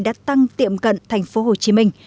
đã tăng tiệm cận thành phố hồ chí minh